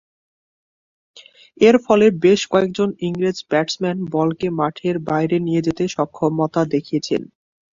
এরফলে বেশ কয়েকজন ইংরেজ ব্যাটসম্যান বলকে মাঠের বাইরে নিয়ে যেতে সক্ষমতা দেখিয়েছেন।